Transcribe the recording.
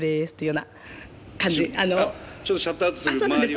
ちょっとシャットアウトする周りを。